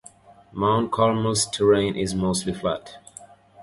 Mount Carmel's terrain is mostly flat.